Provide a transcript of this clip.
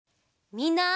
みんな！